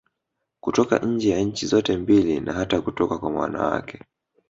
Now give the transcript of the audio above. Kutoka nje ya nchi zote mbili na hata kutoka kwa wanawake